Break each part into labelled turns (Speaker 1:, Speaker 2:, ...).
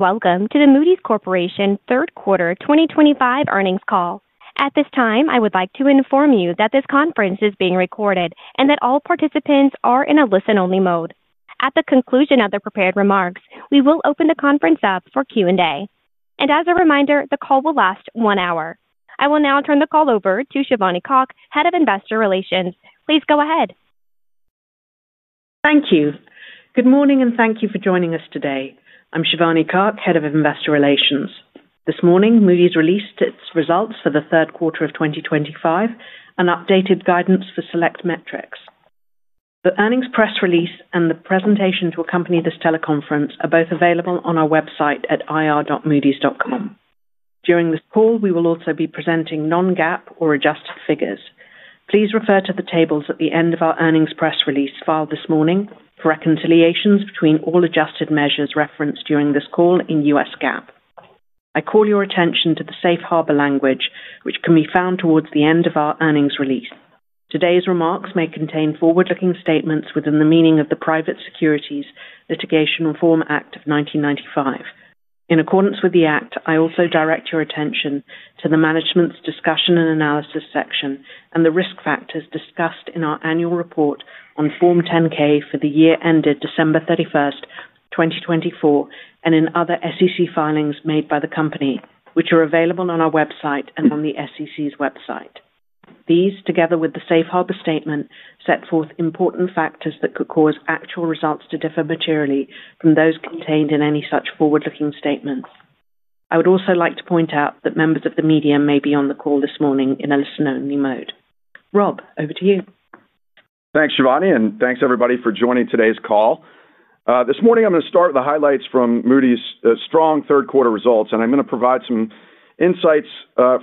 Speaker 1: Welcome to the Moody's Corporation third quarter 2025 earnings call. At this time, I would like to inform you that this conference is being recorded and that all participants are in a listen-only mode. At the conclusion of the prepared remarks, we will open the conference up for Q&A. As a reminder, the call will last one hour. I will now turn the call over to Shivani Kak, Head of Investor Relations. Please go ahead.
Speaker 2: Thank you. Good morning and thank you for joining us today. I'm Shivani Kak, Head of Investor Relations. This morning, Moody's released its results for the third quarter of 2025 and updated guidance for select metrics. The earnings press release and the presentation to accompany this teleconference are both available on our website at ir.moodys.com. During this call, we will also be presenting non-GAAP or adjusted figures. Please refer to the tables at the end of our earnings press release filed this morning for reconciliations between all adjusted measures referenced during this call in U.S. GAAP. I call your attention to the safe harbor language, which can be found towards the end of our earnings release. Today's remarks may contain forward-looking statements within the meaning of the Private Securities Litigation Reform Act of 1995. In accordance with the Act, I also direct your attention to the management's discussion and analysis section and the risk factors discussed in our annual report on Form 10-K for the year ended December 31, 2024, and in other SEC filings made by the company, which are available on our website and on the SEC's website. These, together with the safe harbor statement, set forth important factors that could cause actual results to differ materially from those contained in any such forward-looking statements. I would also like to point out that members of the media may be on the call this morning in a listen-only mode. Rob, over to you.
Speaker 3: Thanks, Shivani, and thanks everybody for joining today's call. This morning, I'm going to start with the highlights from Moody's strong third-quarter results, and I'm going to provide some insights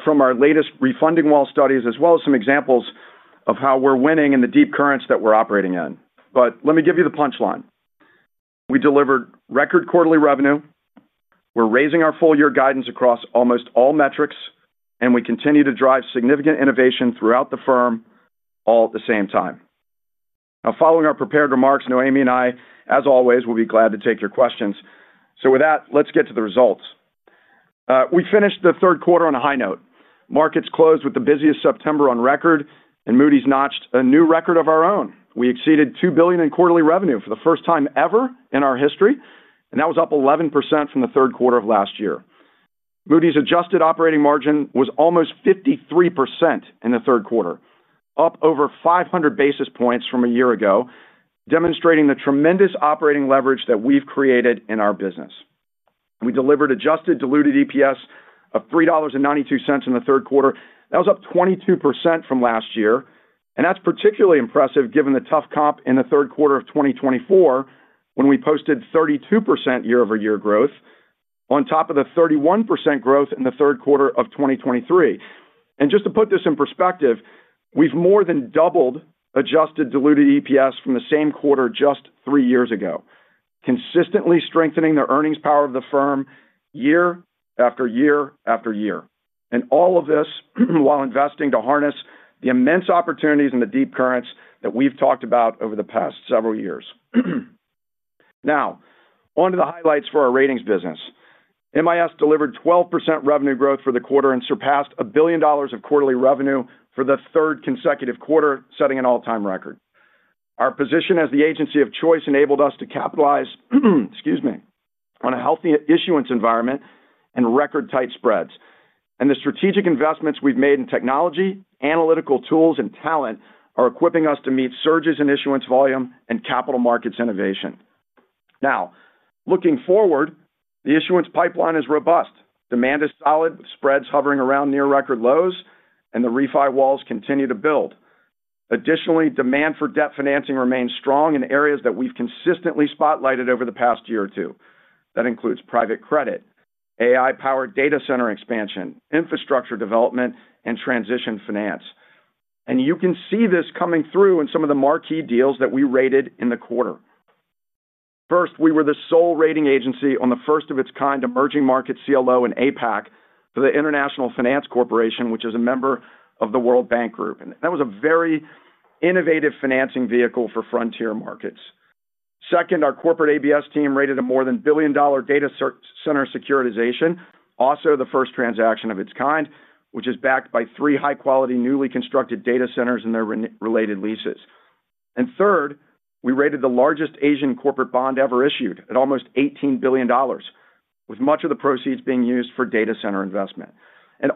Speaker 3: from our latest Refunding wall studies, as well as some examples of how we're winning in the Deep Currents that we're operating in. Let me give you the punchline. We delivered record quarterly revenue. We're raising our full-year guidance across almost all metrics, and we continue to drive significant innovation throughout the firm all at the same time. Following our prepared remarks, Noémie and I, as always, will be glad to take your questions. With that, let's get to the results. We finished the third quarter on a high note. Markets closed with the busiest September on record, and Moody's notched a new record of our own. We exceeded $2 billion in quarterly revenue for the first time ever in our history, and that was up 11% from the third quarter of last year. Moody's adjusted operating margin was almost 53% in the third quarter, up over 500 basis points from a year ago, demonstrating the tremendous operating leverage that we've created in our business. We delivered adjusted diluted EPS of $3.92 in the third quarter. That was up 22% from last year, and that's particularly impressive given the tough comp in the third quarter of 2024 when we posted 32% year-over-year growth on top of the 31% growth in the third quarter of 2023. Just to put this in perspective, we've more than doubled adjusted diluted EPS from the same quarter just three years ago, consistently strengthening the earnings power of the firm year after year after year. All of this while investing to harness the immense opportunities in the Deep Currents that we've talked about over the past several years. Now, on to the highlights for our ratings business. MIS delivered 12% revenue growth for the quarter and surpassed a billion dollars of quarterly revenue for the third consecutive quarter, setting an all-time record. Our position as the agency of choice enabled us to capitalize on a healthy issuance environment and record tight spreads. The strategic investments we've made in technology, analytical tools, and talent are equipping us to meet surges in issuance volume and capital markets innovation. Looking forward, the issuance pipeline is robust. Demand is solid, with spreads hovering around near record lows, and the refi walls continue to build. Additionally, demand for debt financing remains strong in areas that we've consistently spotlighted over the past year or two. That includes private credit, AI-powered data center expansion, infrastructure development, and transition finance. You can see this coming through in some of the marquee deals that we rated in the quarter. First, we were the sole rating agency on the first of its kind emerging market CLO in APAC for the International Finance Corporation, which is a member of the World Bank Group. That was a very innovative financing vehicle for frontier markets. Second, our corporate ABS team rated a more than $1 billion data center securitization, also the first transaction of its kind, which is backed by three high-quality newly constructed data centers and their related leases. Third, we rated the largest Asian corporate bond ever issued at almost $18 billion, with much of the proceeds being used for data center investment.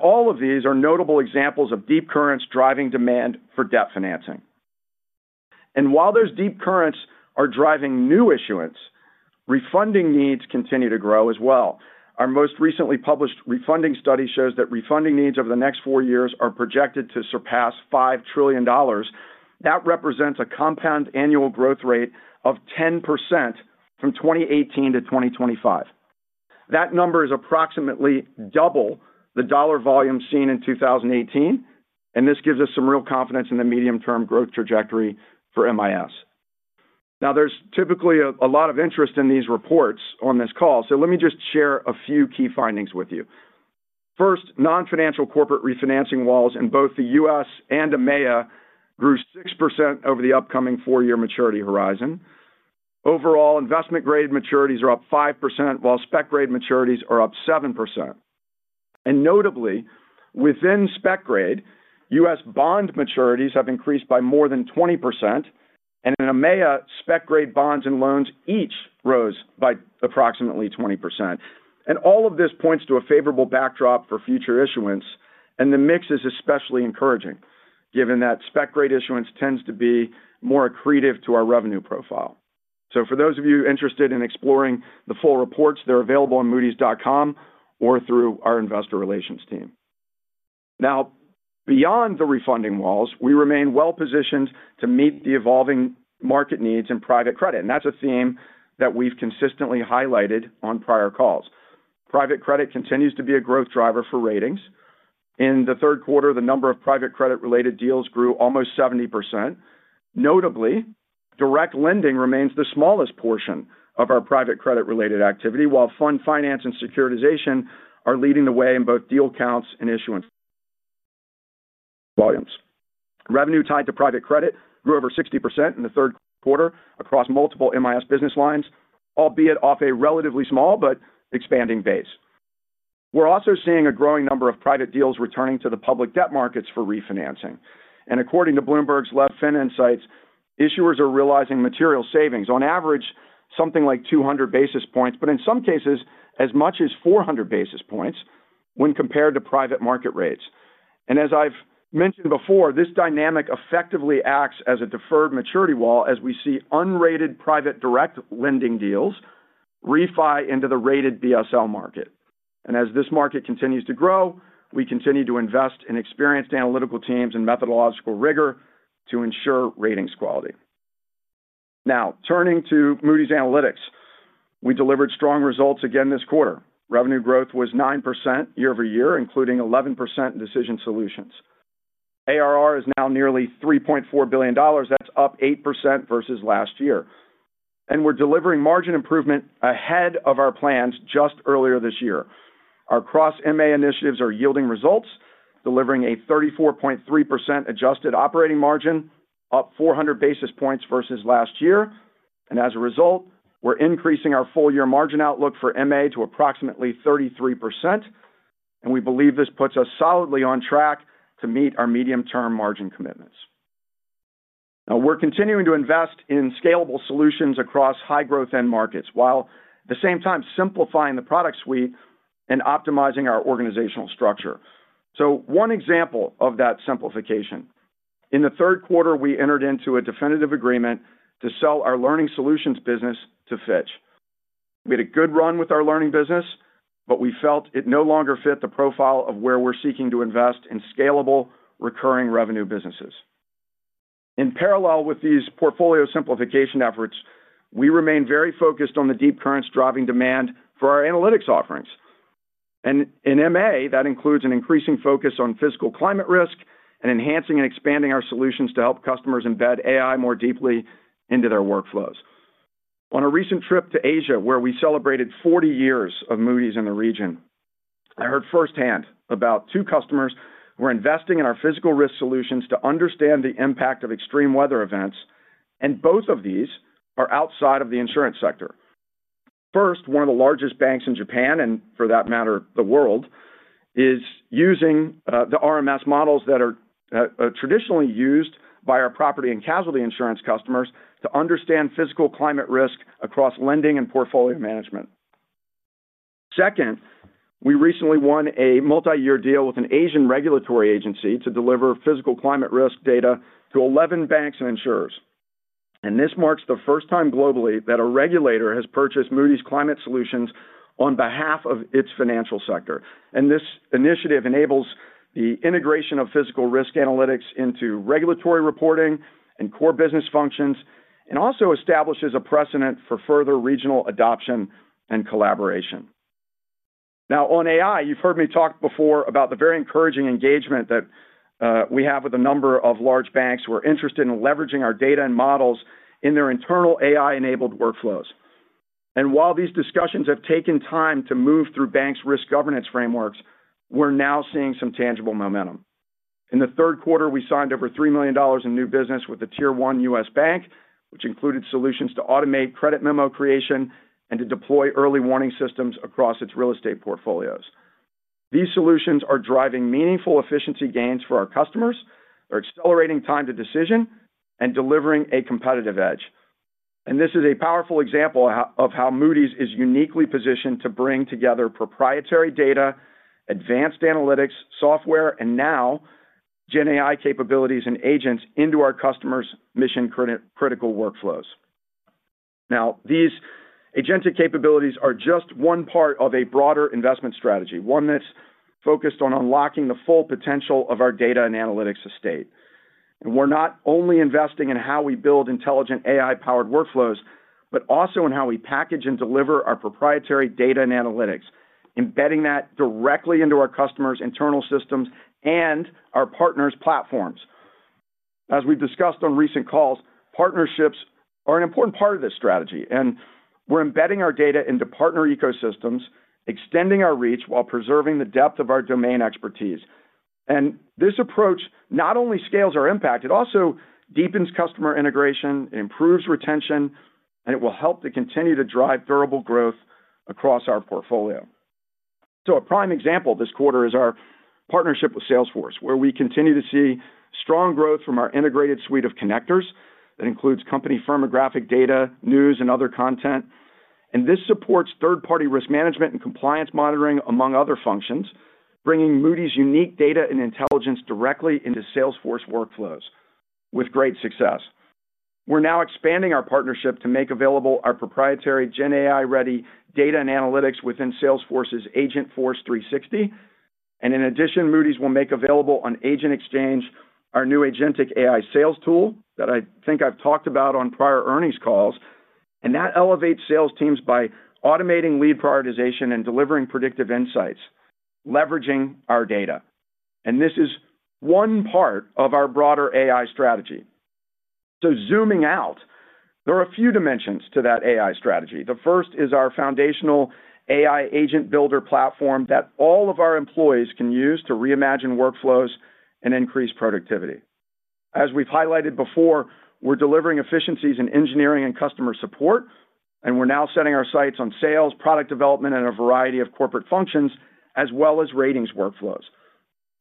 Speaker 3: All of these are notable examples of Deep Currents driving demand for debt financing. While those Deep Currents are driving new issuance, refunding needs continue to grow as well. Our most recently published refunding study shows that refunding needs over the next four years are projected to surpass $5 trillion. That represents a compound annual growth rate of 10% from 2018 to 2025. That number is approximately double the dollar volume seen in 2018, and this gives us some real confidence in the medium-term growth trajectory for MIS. Now, there's typically a lot of interest in these reports on this call, so let me just share a few key findings with you. First, non-financial corporate refinancing walls in both the U.S. and EMEA grew 6% over the upcoming four-year maturity horizon. Overall, investment-grade maturities are up 5%, while spec-grade maturities are up 7%. Notably, within spec grade, U.S. bond maturities have increased by more than 20%, and in EMEA, spec-grade bonds and loans each rose by approximately 20%. All of this points to a favorable backdrop for future issuance, and the mix is especially encouraging, given that spec-grade issuance tends to be more accretive to our revenue profile. For those of you interested in exploring the full reports, they're available on moodys.com or through our investor relations team. Now, beyond the Refunding walls, we remain well-positioned to meet the evolving market needs in private credit, and that's a theme that we've consistently highlighted on prior calls. Private credit continues to be a growth driver for ratings. In the third quarter, the number of private credit-related deals grew almost 70%. Notably, direct lending remains the smallest portion of our private credit-related activity, while fund finance and securitization are leading the way in both deal counts and issuance volumes. Revenue tied to private credit grew over 60% in the third quarter across multiple MIS business lines, albeit off a relatively small but expanding base. We're also seeing a growing number of private deals returning to the public debt markets for refinancing. According to Bloomberg's LevFin Insights, issuers are realizing material savings, on average something like 200 basis points, but in some cases as much as 400 basis points when compared to private market rates. As I've mentioned before, this dynamic effectively acts as a deferred maturity wall as we see unrated private direct lending deals refi into the rated BSL market. As this market continues to grow, we continue to invest in experienced analytical teams and methodological rigor to ensure ratings quality. Now, turning to Moody's Analytics, we delivered strong results again this quarter. Revenue growth was 9% year over year, including 11% in decision solutions. ARR is now nearly $3.4 billion. That's up 8% versus last year. We're delivering margin improvement ahead of our plans just earlier this year. Our cross-MA initiatives are yielding results, delivering a 34.3% adjusted operating margin, up 400 basis points versus last year. As a result, we're increasing our full-year margin outlook for MA to approximately 33%. We believe this puts us solidly on track to meet our medium-term margin commitments. Now, we're continuing to invest in scalable solutions across high-growth end markets, while at the same time simplifying the product suite and optimizing our organizational structure. One example of that simplification: in the third quarter, we entered into a definitive agreement to sell our learning solutions business to Fitch. We had a good run with our learning business, but we felt it no longer fit the profile of where we're seeking to invest in scalable recurring revenue businesses. In parallel with these portfolio simplification efforts, we remain very focused on the Deep Currents driving demand for our analytics offerings. In MA, that includes an increasing focus on physical climate risk and enhancing and expanding our solutions to help customers embed AI more deeply into their workflows. On a recent trip to Asia, where we celebrated 40 years of Moody's in the region, I heard firsthand about two customers who are investing in our physical risk solutions to understand the impact of extreme weather events. Both of these are outside of the insurance sector. First, one of the largest banks in Japan, and for that matter, the world, is using the RMS models that are traditionally used by our property and casualty insurance customers to understand physical climate risk across lending and portfolio management. Second, we recently won a multi-year deal with an Asian regulatory agency to deliver physical climate risk data to 11 banks and insurers. This marks the first time globally that a regulator has purchased Moody's Climate Solutions on behalf of its financial sector. This initiative enables the integration of physical risk analytics into regulatory reporting and core business functions, and also establishes a precedent for further regional adoption and collaboration. On AI, you've heard me talk before about the very encouraging engagement that we have with a number of large banks who are interested in leveraging our data and models in their internal AI-enabled workflows. While these discussions have taken time to move through banks' risk governance frameworks, we're now seeing some tangible momentum. In the third quarter, we signed over $3 million in new business with a tier one US bank, which included solutions to automate credit memo creation and to deploy early warning systems across its real estate portfolios. These solutions are driving meaningful efficiency gains for our customers. They're accelerating time to decision and delivering a competitive edge. This is a powerful example of how Moody's is uniquely positioned to bring together proprietary data, advanced analytics, software, and now GenAI capabilities and agents into our customers' mission-critical workflows. These agentic capabilities are just one part of a broader investment strategy, one that's focused on unlocking the full potential of our data and analytics estate. We are not only investing in how we build intelligent AI-powered workflows, but also in how we package and deliver our proprietary data and analytics, embedding that directly into our customers' internal systems and our partners' platforms. As we've discussed on recent calls, partnerships are an important part of this strategy, and we are embedding our data into partner ecosystems, extending our reach while preserving the depth of our domain expertise. This approach not only scales our impact, it also deepens customer integration, improves retention, and will help to continue to drive durable growth across our portfolio. A prime example this quarter is our partnership with Salesforce, where we continue to see strong growth from our integrated suite of connectors that includes company firmographic data, news, and other content. This supports third-party risk management and compliance monitoring, among other functions, bringing Moody's unique data and intelligence directly into Salesforce workflows with great success. We are now expanding our partnership to make available our proprietary GenAI-ready data and analytics within Salesforce's Agentforce 360. In addition, Moody's will make available on Agent Exchange our new agentic AI sales tool that I think I've talked about on prior earnings calls. That elevates sales teams by automating lead prioritization and delivering predictive insights, leveraging our data. This is one part of our broader AI strategy. Zooming out, there are a few dimensions to that AI strategy. The first is our foundational AI agent builder platform that all of our employees can use to reimagine workflows and increase productivity. As we've highlighted before, we are delivering efficiencies in engineering and customer support, and we are now setting our sights on sales, product development, and a variety of corporate functions, as well as ratings workflows.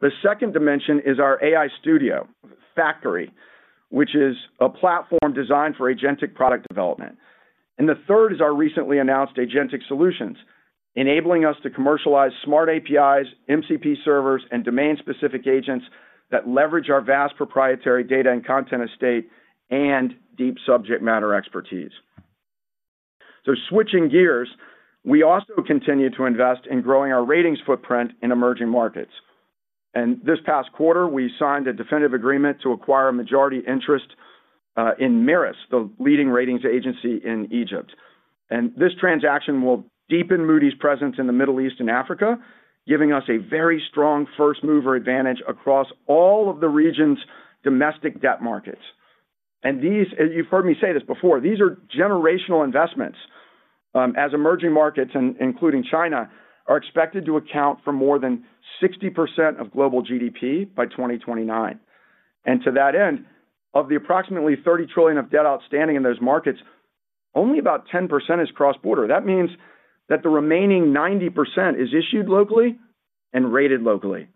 Speaker 3: The second dimension is our AI studio factory, which is a platform designed for agentic product development. The third is our recently announced agentic solutions, enabling us to commercialize smart APIs, MCP servers, and domain-specific agents that leverage our vast proprietary data and content estate and deep subject matter expertise. Switching gears, we also continue to invest in growing our ratings footprint in emerging markets. This past quarter, we signed a definitive agreement to acquire majority interest in Meris, the leading ratings agency in Egypt. This transaction will deepen Moody's presence in the Middle East and Africa, giving us a very strong first-mover advantage across all of the region's domestic debt markets. These are generational investments. As emerging markets, including China, are expected to account for more than 60% of global GDP by 2029. To that end, of the approximately $30 trillion of debt outstanding in those markets, only about 10% is cross-border. That means that the remaining 90% is issued locally and rated locally.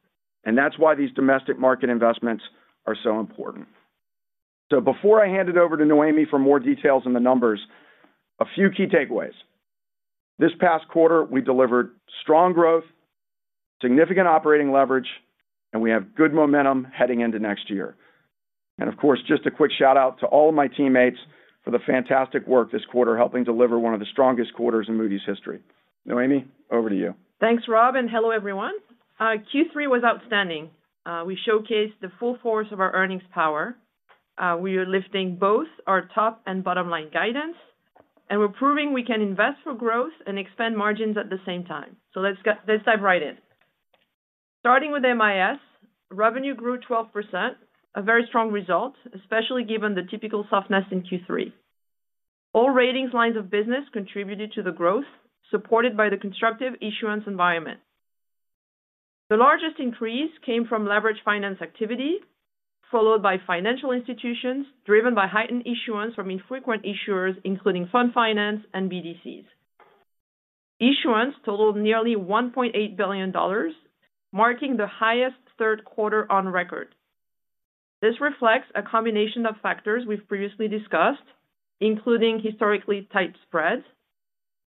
Speaker 3: That's why these domestic market investments are so important. Before I hand it over to Noémie for more details and the numbers, a few key takeaways. This past quarter, we delivered strong growth, significant operating leverage, and we have good momentum heading into next year. Of course, just a quick shout out to all of my teammates for the fantastic work this quarter, helping deliver one of the strongest quarters in Moody's history. Noémie, over to you.
Speaker 4: Thanks, Rob, and hello, everyone. Q3 was outstanding. We showcased the full force of our earnings power. We are lifting both our top and bottom line guidance, and we're proving we can invest for growth and expand margins at the same time. Let's dive right in. Starting with MIS, revenue grew 12%, a very strong result, especially given the typical softness in Q3. All ratings lines of business contributed to the growth, supported by the constructive issuance environment. The largest increase came from leveraged finance activity, followed by financial institutions driven by heightened issuance from infrequent issuers, including fund finance and BDCs. Issuance totaled nearly $1.8 billion, marking the highest third quarter on record. This reflects a combination of factors we've previously discussed, including historically tight spreads,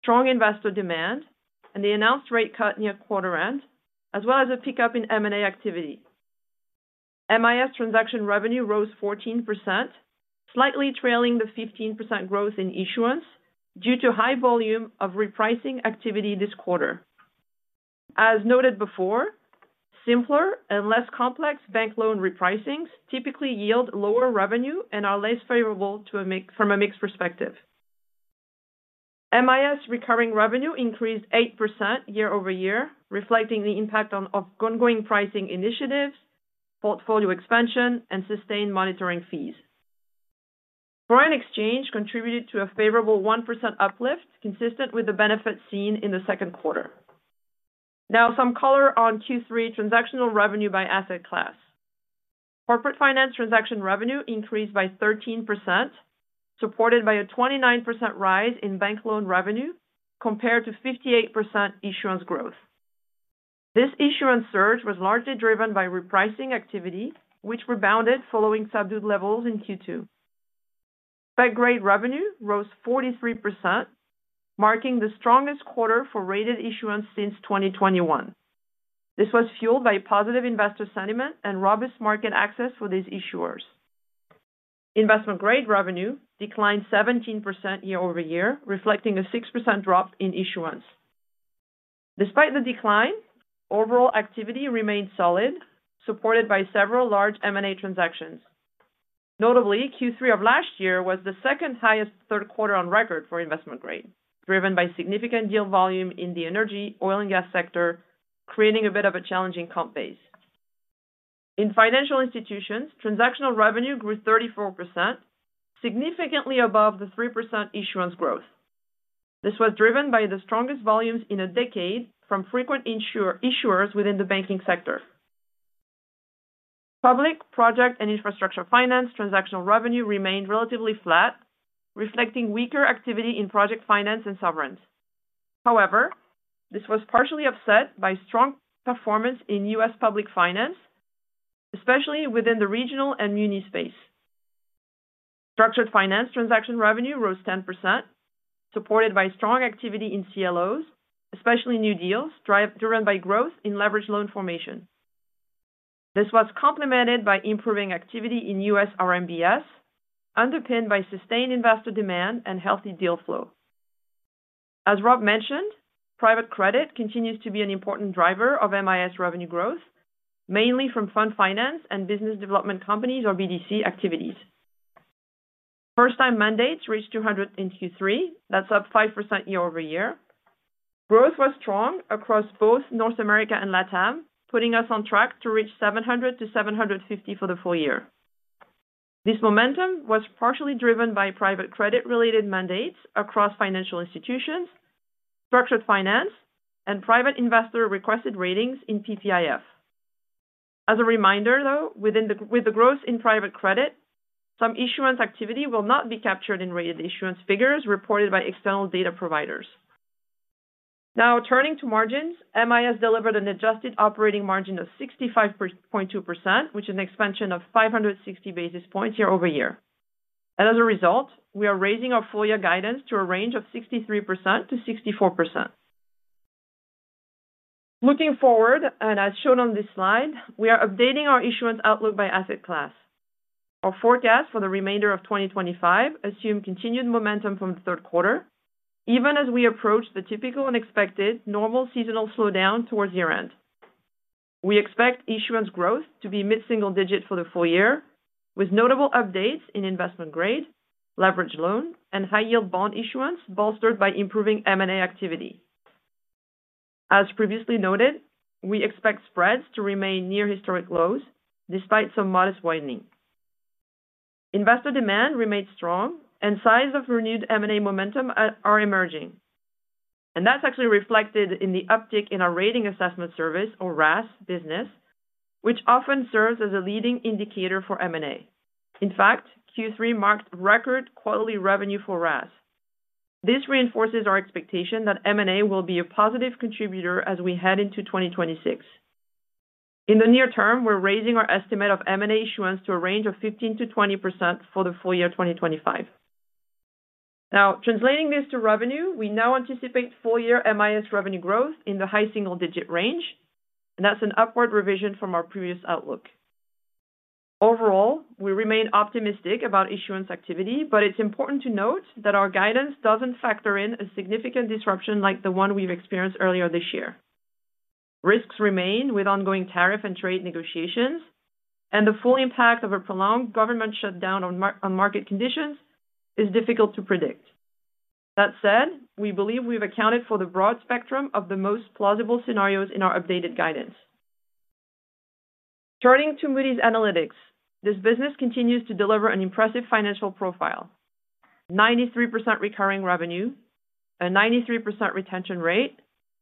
Speaker 4: strong investor demand, and the announced rate cut near quarter-end, as well as a pickup in M&A activity. MIS transaction revenue rose 14%, slightly trailing the 15% growth in issuance due to high volume of repricing activity this quarter. As noted before, simpler and less complex bank loan repricings typically yield lower revenue and are less favorable from a mix perspective. MIS recurring revenue increased 8% year over year, reflecting the impact of ongoing pricing initiatives, portfolio expansion, and sustained monitoring fees. Foreign exchange contributed to a favorable 1% uplift, consistent with the benefits seen in the second quarter. Now, some color on Q3 transactional revenue by asset class. Corporate finance transaction revenue increased by 13%, supported by a 29% rise in bank loan revenue compared to 58% issuance growth. This issuance surge was largely driven by repricing activity, which rebounded following subdued levels in Q2. Spec-grade revenue rose 43%, marking the strongest quarter for rated issuance since 2021. This was fueled by positive investor sentiment and robust market access for these issuers. Investment-grade revenue declined 17% year over year, reflecting a 6% drop in issuance. Despite the decline, overall activity remained solid, supported by several large M&A transactions. Notably, Q3 of last year was the second highest third quarter on record for investment grade, driven by significant deal volume in the energy, oil, and gas sector, creating a bit of a challenging comp base. In financial institutions, transactional revenue grew 34%, significantly above the 3% issuance growth. This was driven by the strongest volumes in a decade from frequent issuers within the banking sector. Public project and infrastructure finance transactional revenue remained relatively flat, reflecting weaker activity in project finance and sovereigns. However, this was partially offset by strong performance in U.S. public finance, especially within the regional and muni space. Structured finance transaction revenue rose 10%, supported by strong activity in CLOs, especially new deals driven by growth in leveraged loan formation. This was complemented by improving activity in U.S. RMBS, underpinned by sustained investor demand and healthy deal flow. As Rob mentioned, private credit continues to be an important driver of MIS revenue growth, mainly from fund finance and business development companies or BDC activities. First-time mandates reached 200 in Q3. That's up 5% year over year. Growth was strong across both North America and LATAM, putting us on track to reach 700 to 750 for the full year. This momentum was partially driven by private credit-related mandates across financial institutions, structured finance, and private investor requested ratings in PPIF. As a reminder, though, with the growth in private credit, some issuance activity will not be captured in rated issuance figures reported by external data providers. Now, turning to margins, MIS delivered an adjusted operating margin of 65.2%, which is an expansion of 560 basis points year over year. As a result, we are raising our full-year guidance to a range of 63% to 64%. Looking forward, and as shown on this slide, we are updating our issuance outlook by asset class. Our forecast for the remainder of 2025 assumes continued momentum from the third quarter, even as we approach the typical and expected normal seasonal slowdown towards year-end. We expect issuance growth to be mid-single-digit for the full year, with notable updates in investment grade, leveraged loan, and high-yield bond issuance bolstered by improving M&A activity. As previously noted, we expect spreads to remain near historic lows, despite some modest widening. Investor demand remains strong, and signs of renewed M&A momentum are emerging. That is actually reflected in the uptick in our rating assessment service, or RAS business, which often serves as a leading indicator for M&A. In fact, Q3 marked record quality revenue for RAS. This reinforces our expectation that M&A will be a positive contributor as we head into 2026. In the near term, we're raising our estimate of M&A issuance to a range of 15% to 20% for the full year 2025. Now, translating this to revenue, we now anticipate full-year MIS revenue growth in the high single-digit range, and that's an upward revision from our previous outlook. Overall, we remain optimistic about issuance activity, but it's important to note that our guidance doesn't factor in a significant disruption like the one we've experienced earlier this year. Risks remain with ongoing tariff and trade negotiations, and the full impact of a prolonged government shutdown on market conditions is difficult to predict. That said, we believe we've accounted for the broad spectrum of the most plausible scenarios in our updated guidance. Turning to Moody's Analytics, this business continues to deliver an impressive financial profile: 93% recurring revenue, a 93% retention rate,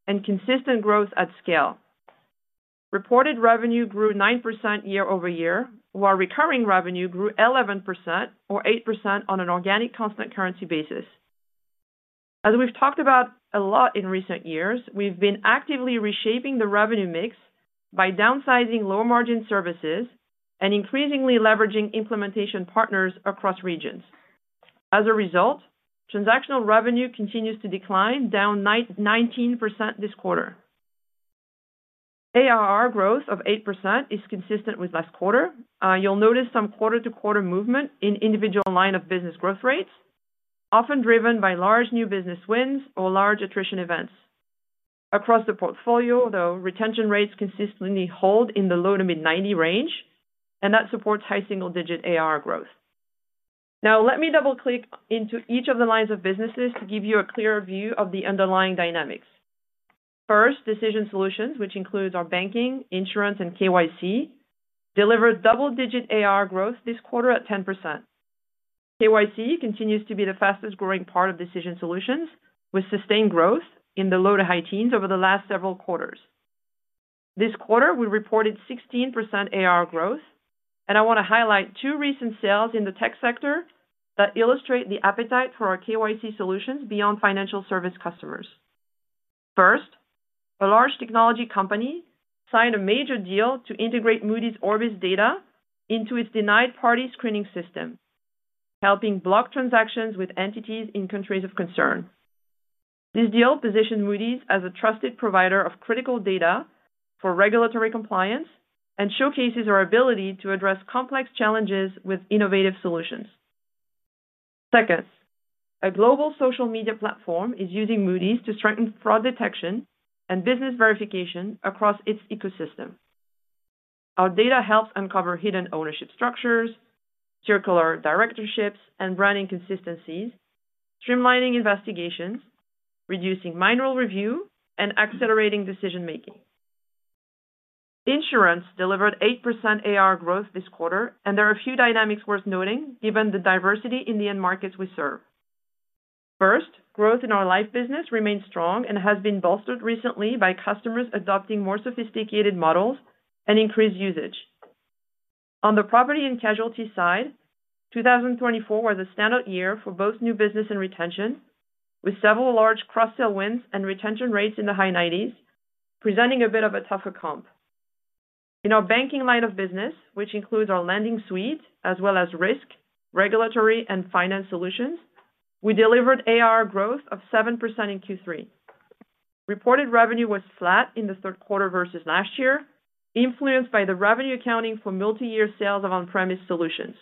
Speaker 4: and consistent growth at scale. Reported revenue grew 9% year over year, while recurring revenue grew 11% or 8% on an organic constant currency basis. As we've talked about a lot in recent years, we've been actively reshaping the revenue mix by downsizing low-margin services and increasingly leveraging implementation partners across regions. As a result, transactional revenue continues to decline, down 19% this quarter. ARR growth of 8% is consistent with last quarter. You'll notice some quarter-to-quarter movement in individual line of business growth rates, often driven by large new business wins or large attrition events. Across the portfolio, though, retention rates consistently hold in the low to mid-90% range, and that supports high single-digit ARR growth. Now, let me double-click into each of the lines of businesses to give you a clearer view of the underlying dynamics. First, Decision Solutions, which includes our banking, insurance, and KYC, delivered double-digit ARR growth this quarter at 10%. KYC continues to be the fastest growing part of Decision Solutions, with sustained growth in the low to high teens over the last several quarters. This quarter, we reported 16% ARR growth, and I want to highlight two recent sales in the tech sector that illustrate the appetite for our KYC solutions beyond financial service customers. First, a large technology company signed a major deal to integrate Moody's Orbis data into its denied party screening system, helping block transactions with entities in countries of concern. This deal positions Moody’s as a trusted provider of critical data for regulatory compliance and showcases our ability to address complex challenges with innovative solutions. Second, a global social media platform is using Moody’s to strengthen fraud detection and business verification across its ecosystem. Our data helps uncover hidden ownership structures, circular directorships, and branding consistencies, streamlining investigations, reducing manual review, and accelerating decision-making. Insurance delivered 8% ARR growth this quarter, and there are a few dynamics worth noting given the diversity in the end markets we serve. First, growth in our life business remains strong and has been bolstered recently by customers adopting more sophisticated models and increased usage. On the property and casualty side, 2024 was a standout year for both new business and retention, with several large cross-sale wins and retention rates in the high 90s, presenting a bit of a tougher comp. In our banking line of business, which includes our lending suite as well as risk, regulatory, and finance solutions, we delivered ARR growth of 7% in Q3. Reported revenue was flat in the third quarter versus last year, influenced by the revenue accounting for multi-year sales of on-premise solutions.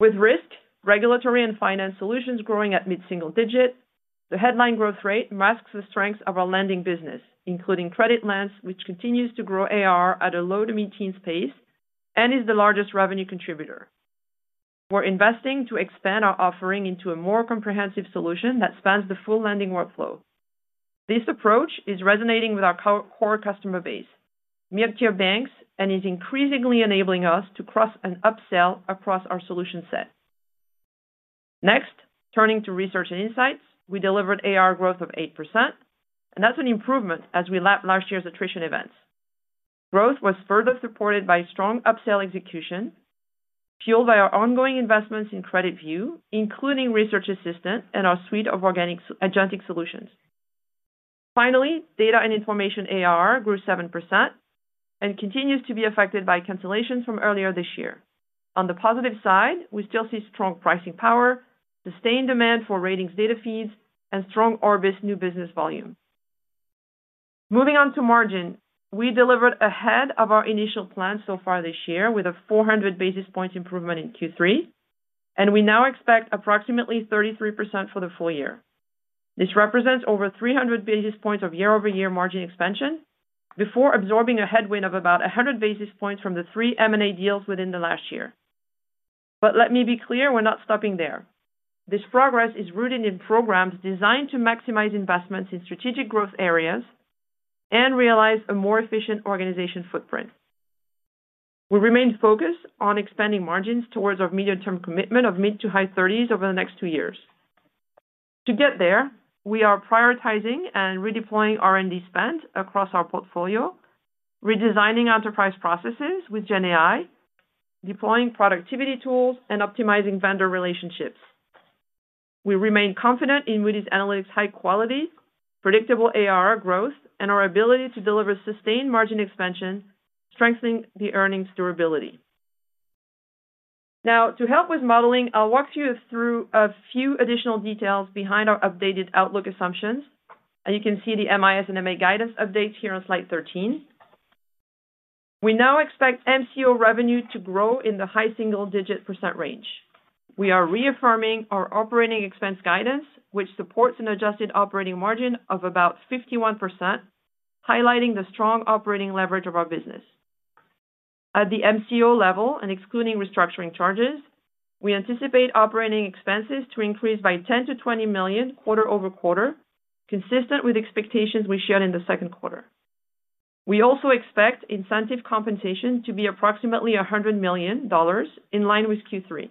Speaker 4: With risk, regulatory, and finance solutions growing at mid-single digit, the headline growth rate masks the strengths of our lending business, including CreditLens, which continues to grow ARR at a low to mid-teens pace and is the largest revenue contributor. We’re investing to expand our offering into a more comprehensive solution that spans the full lending workflow. This approach is resonating with our core customer base, mid-tier banks, and is increasingly enabling us to cross and upsell across our solution set. Next, turning to Research and Insights, we delivered ARR growth of 8%, and that’s an improvement as we lap last year’s attrition events. Growth was further supported by strong upsell execution, fueled by our ongoing investments in CreditView, including research assistant and our suite of organic agentic AI solutions. Finally, Data and Information ARR grew 7% and continues to be affected by cancellations from earlier this year. On the positive side, we still see strong pricing power, sustained demand for ratings data feeds, and strong Orbis new business volume. Moving on to margin, we delivered ahead of our initial plan so far this year with a 400 basis point improvement in Q3, and we now expect approximately 33% for the full year. This represents over 300 basis points of year-over-year margin expansion before absorbing a headwind of about 100 basis points from the three M&A deals within the last year. Let me be clear, we're not stopping there. This progress is rooted in programs designed to maximize investments in strategic growth areas and realize a more efficient organization footprint. We remain focused on expanding margins towards our medium-term commitment of mid to high 30s over the next two years. To get there, we are prioritizing and redeploying R&D spend across our portfolio, redesigning enterprise processes with GenAI, deploying productivity tools, and optimizing vendor relationships. We remain confident in Moody's Analytics' high-quality, predictable ARR growth, and our ability to deliver sustained margin expansion, strengthening the earnings durability. Now, to help with modeling, I'll walk you through a few additional details behind our updated outlook assumptions. You can see the MIS and MA guidance updates here on slide 13. We now expect MCO revenue to grow in the high single-digit % range. We are reaffirming our operating expense guidance, which supports an adjusted operating margin of about 51%, highlighting the strong operating leverage of our business. At the MCO level and excluding restructuring charges, we anticipate operating expenses to increase by $10 million to $20 million quarter over quarter, consistent with expectations we shared in the second quarter. We also expect incentive compensation to be approximately $100 million in line with Q3.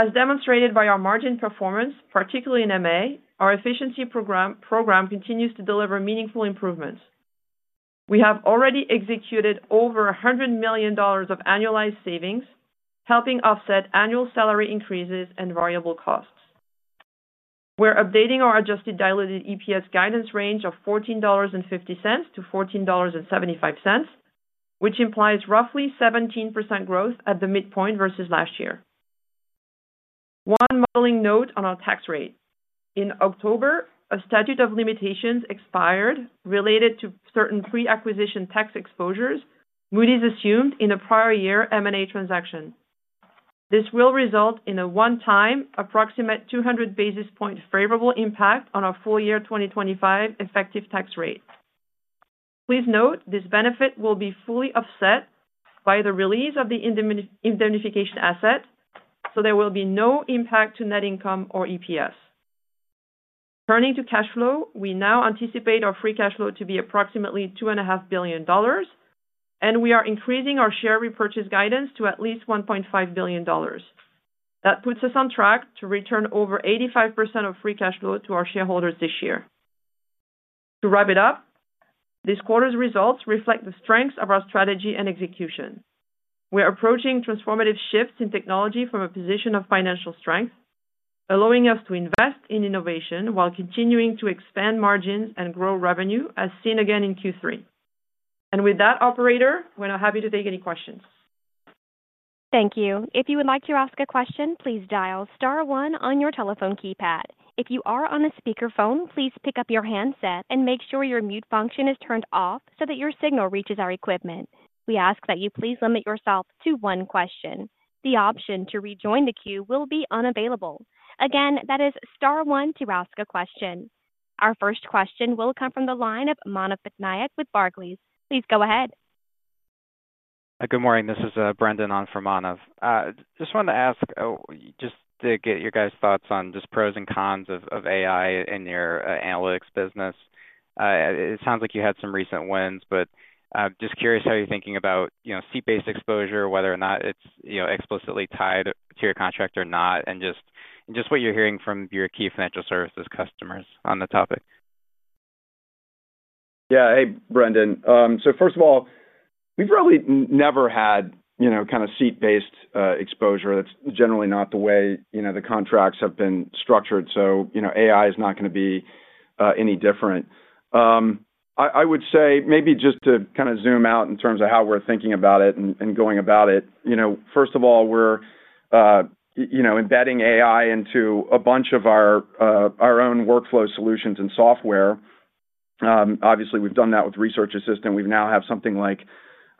Speaker 4: As demonstrated by our margin performance, particularly in MA, our efficiency program continues to deliver meaningful improvements. We have already executed over $100 million of annualized savings, helping offset annual salary increases and variable costs. We're updating our adjusted diluted EPS guidance range of $14.50 to $14.75, which implies roughly 17% growth at the midpoint versus last year. One modeling note on our tax rate. In October, a statute of limitations expired related to certain pre-acquisition tax exposures Moody's assumed in a prior year M&A transaction. This will result in a one-time, approximate 200 basis point favorable impact on our full year 2025 effective tax rate. Please note, this benefit will be fully offset by the release of the indemnification asset, so there will be no impact to net income or EPS. Turning to cash flow, we now anticipate our free cash flow to be approximately $2.5 billion, and we are increasing our share repurchase guidance to at least $1.5 billion. That puts us on track to return over 85% of free cash flow to our shareholders this year. To wrap it up, this quarter's results reflect the strengths of our strategy and execution. We're approaching transformative shifts in technology from a position of financial strength, allowing us to invest in innovation while continuing to expand margins and grow revenue as seen again in Q3. With that, operator, we're happy to take any questions.
Speaker 1: Thank you. If you would like to ask a question, please dial star one on your telephone keypad. If you are on a speaker phone, please pick up your handset and make sure your mute function is turned off so that your signal reaches our equipment. We ask that you please limit yourself to one question. The option to rejoin the queue will be unavailable. Again, that is star one to ask a question. Our first question will come from the line of Manav Patnaik with Barclays. Please go ahead.
Speaker 5: Good morning. This is Brendan on for Manav. I just wanted to ask to get your guys' thoughts on pros and cons of AI in your analytics business. It sounds like you had some recent wins, but I'm just curious how you're thinking about seat-based exposure, whether or not it's explicitly tied to your contract or not, and what you're hearing from your key financial services customers on the topic.
Speaker 3: Yeah. Hey, Brendan. First of all, we've probably never had kind of seat-based exposure. That's generally not the way the contracts have been structured. AI is not going to be any different. Maybe just to kind of zoom out in terms of how we're thinking about it and going about it. First of all, we're embedding AI into a bunch of our own workflow solutions and software. Obviously, we've done that with research assistant. We now have something like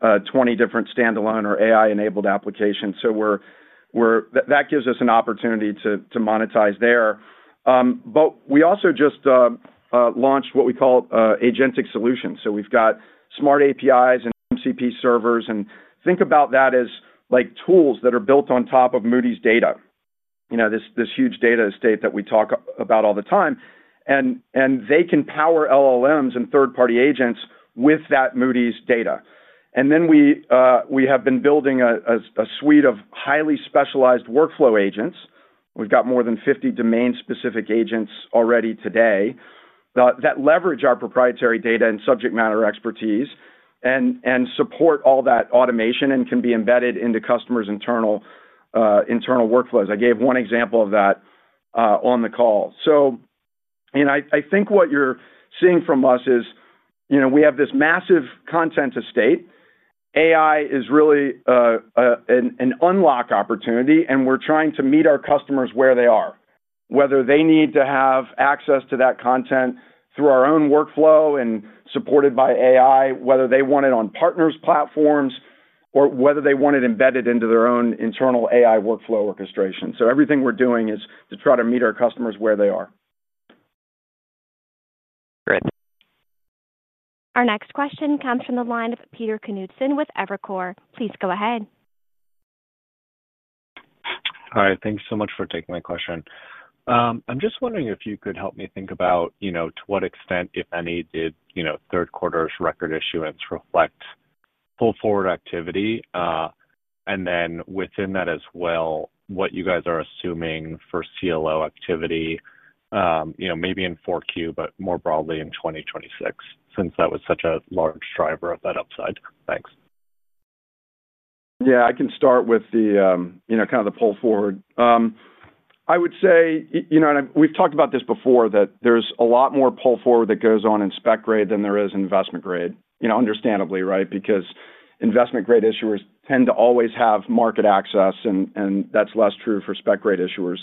Speaker 3: 20 different standalone or AI-enabled applications. That gives us an opportunity to monetize there. We also just launched what we call agentic AI solutions. We've got smart APIs and MCP servers. Think about that as tools that are built on top of Moody's data, this huge data estate that we talk about all the time. They can power LLMs and third-party agents with that Moody's data. We have been building a suite of highly specialized workflow agents. We've got more than 50 domain-specific agents already today that leverage our proprietary data and subject matter expertise and support all that automation and can be embedded into customers' internal workflows. I gave one example of that on the call. What you're seeing from us is we have this massive content estate. AI is really an unlock opportunity, and we're trying to meet our customers where they are, whether they need to have access to that content through our own workflow and supported by AI, whether they want it on partners' platforms, or whether they want it embedded into their own internal AI workflow orchestration. Everything we're doing is to try to meet our customers where they are.
Speaker 5: Great.
Speaker 1: Our next question comes from the line of Peter Christiansen with Evercore. Please go ahead.
Speaker 6: Hi. Thanks so much for taking my question. I'm just wondering if you could help me think about to what extent, if any, did third quarter's record issuance reflect full forward activity? Within that as well, what you guys are assuming for CLO activity, maybe in 4Q, but more broadly in 2026, since that was such a large driver of that upside. Thanks.
Speaker 3: Yeah. I can start with the kind of the pull forward. I would say, you know, and we've talked about this before, that there's a lot more pull forward that goes on in spec grade than there is in investment grade, understandably, right? Because investment grade issuers tend to always have market access, and that's less true for spec grade issuers.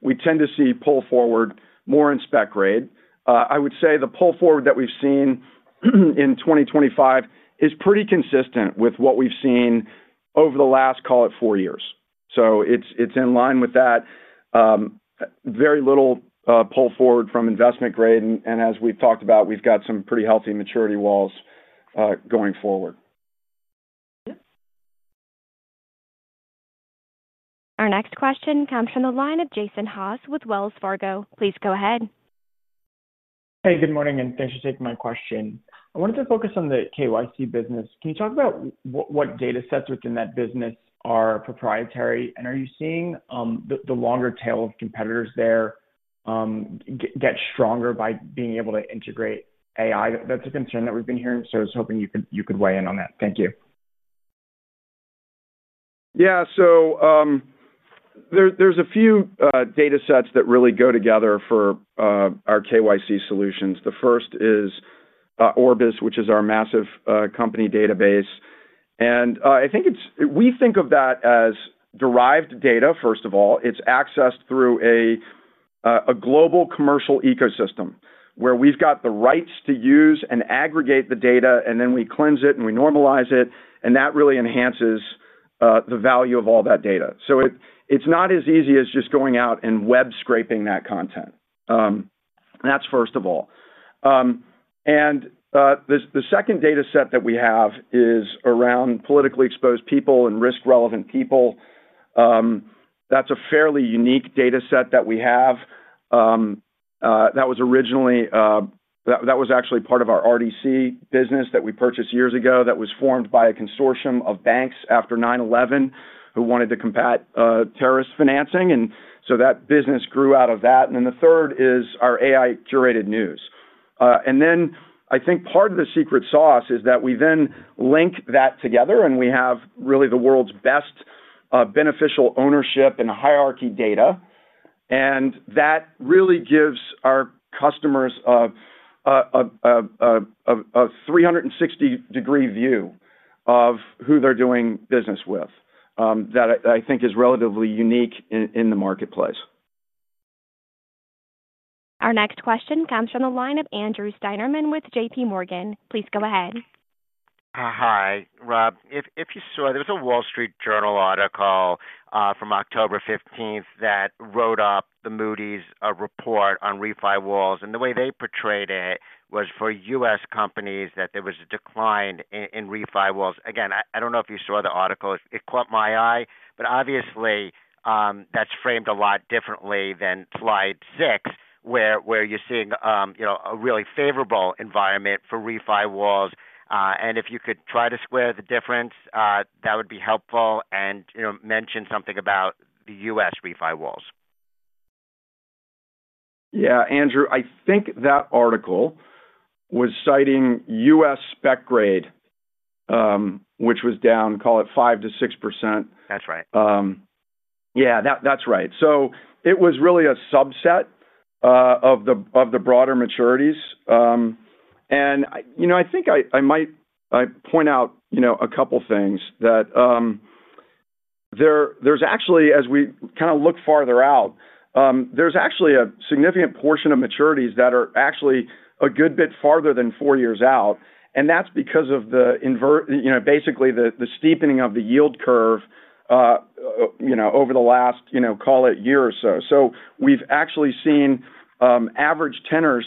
Speaker 3: We tend to see pull forward more in spec grade. I would say the pull forward that we've seen in 2025 is pretty consistent with what we've seen over the last, call it, four years. It's in line with that. Very little pull forward from investment grade. As we've talked about, we've got some pretty healthy maturity walls going forward.
Speaker 1: Our next question comes from the line of Jason Haas with Wells Fargo. Please go ahead.
Speaker 7: Hey, good morning, and thanks for taking my question. I wanted to focus on the KYC solutions business. Can you talk about what data sets within that business are proprietary? Are you seeing the longer tail of competitors there get stronger by being able to integrate AI? That's a concern that we've been hearing, so I was hoping you could weigh in on that. Thank you.
Speaker 3: Yeah. There are a few data sets that really go together for our KYC solutions. The first is Orbis, which is our massive company database. I think we think of that as derived data, first of all. It's accessed through a global commercial ecosystem where we've got the rights to use and aggregate the data, and then we cleanse it and we normalize it. That really enhances the value of all that data. It's not as easy as just going out and web scraping that content. The second data set that we have is around politically exposed people and risk-relevant people. That's a fairly unique data set that we have. That was actually part of our RDC business that we purchased years ago that was formed by a consortium of banks after 9/11 who wanted to combat terrorist financing. That business grew out of that. The third is our AI-curated news. Part of the secret sauce is that we then link that together, and we have really the world's best beneficial ownership and hierarchy data. That really gives our customers a 360-degree view of who they're doing business with that I think is relatively unique in the marketplace.
Speaker 1: Our next question comes from the line of Andrew Steinerman with JPMorgan. Please go ahead.
Speaker 8: Hi, Rob. If you saw, there was a Wall Street Journal article from October 15th that wrote up the Moody's report on refi walls. The way they portrayed it was for U.S. companies that there was a decline in refi walls. I don't know if you saw the article. It caught my eye, but obviously, that's framed a lot differently than slide six, where you're seeing a really favorable environment for refi walls. If you could try to square the difference, that would be helpful. Mention something about the U.S. refi walls.
Speaker 3: Yeah, Andrew. I think that article was citing U.S. spec grade, which was down, call it 5% to 6%.
Speaker 8: That's right.
Speaker 3: Yeah, that's right. It was really a subset of the broader maturities. I think I might point out a couple of things. There's actually, as we kind of look farther out, a significant portion of maturities that are a good bit farther than four years out. That's because of the steepening of the yield curve over the last, call it, year or so. We've actually seen average tenors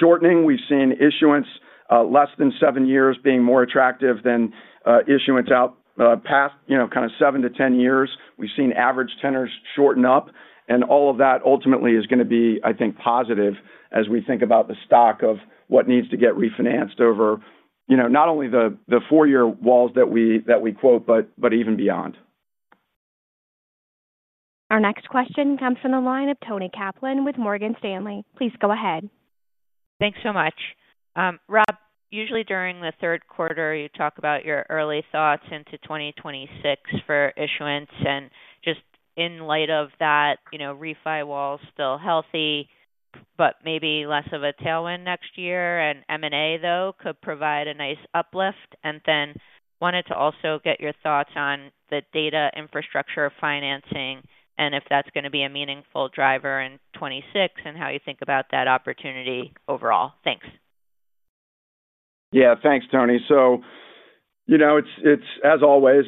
Speaker 3: shortening. We've seen issuance less than seven years being more attractive than issuance out past kind of seven to ten years. We've seen average tenors shorten up. All of that ultimately is going to be, I think, positive as we think about the stock of what needs to get refinanced over not only the four-year walls that we quote, but even beyond.
Speaker 1: Our next question comes from the line of Toni Kaplan with Morgan Stanley. Please go ahead.
Speaker 9: Thanks so much. Rob, usually during the third quarter, you talk about your early thoughts into 2026 for issuance. Just in light of that, refi walls still healthy, but maybe less of a tailwind next year. M&A, though, could provide a nice uplift. I wanted to also get your thoughts on the data infrastructure financing and if that's going to be a meaningful driver in 2026 and how you think about that opportunity overall. Thanks.
Speaker 3: Yeah, thanks, Toni. As always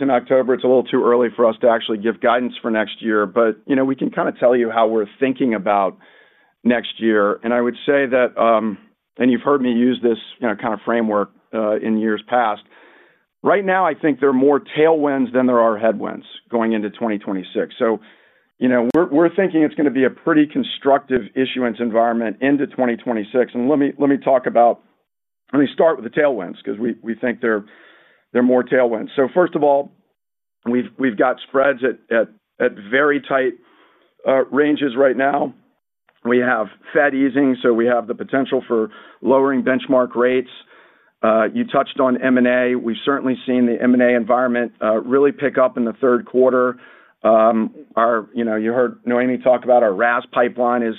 Speaker 3: in October, it's a little too early for us to actually give guidance for next year. You know we can kind of tell you how we're thinking about next year. I would say that, and you've heard me use this kind of framework in years past, right now I think there are more tailwinds than there are headwinds going into 2026. We're thinking it's going to be a pretty constructive issuance environment into 2026. Let me talk about, let me start with the tailwinds because we think there are more tailwinds. First of all, we've got spreads at very tight ranges right now. We have Fed easing, so we have the potential for lowering benchmark rates. You touched on M&A. We've certainly seen the M&A environment really pick up in the third quarter. You heard Noémie talk about our RAS pipeline is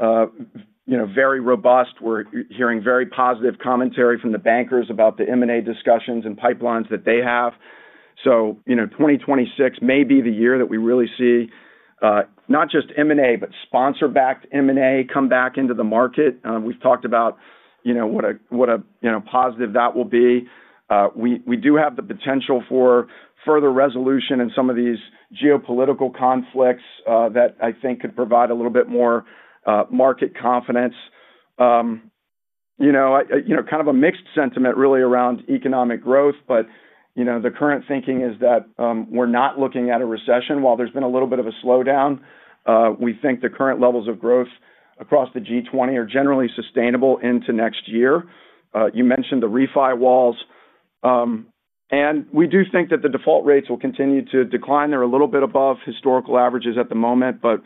Speaker 3: very robust. We're hearing very positive commentary from the bankers about the M&A discussions and pipelines that they have. 2026 may be the year that we really see not just M&A, but sponsor-backed M&A come back into the market. We've talked about what a positive that will be. We do have the potential for further resolution in some of these geopolitical conflicts that I think could provide a little bit more market confidence. Kind of a mixed sentiment really around economic growth. The current thinking is that we're not looking at a recession. While there's been a little bit of a slowdown, we think the current levels of growth across the G20 are generally sustainable into next year. You mentioned the refi walls. We do think that the default rates will continue to decline. They're a little bit above historical averages at the moment, but